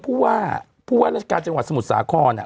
ครับว่าในสถานการณ์สมุทรสาข้อน่ะ